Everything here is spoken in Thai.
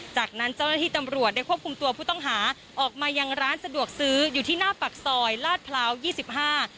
จากนั้นเจ้าหน้าที่ตำรวจได้ควบคุมตัวผู้ต้องหาออกมายังร้านสะดวกซื้ออยู่ที่หน้าปากซอยลาดพร้าวยี่สิบห้า